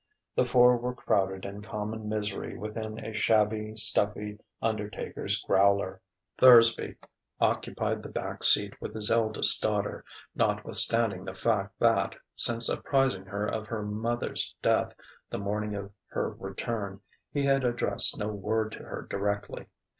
The four were crowded in common misery within a shabby, stuffy, undertaker's growler. Thursby occupied the back seat with his eldest daughter, notwithstanding the fact that, since apprising her of her mother's death, the morning of her return, he had addressed no word to her directly.